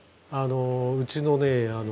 うちのね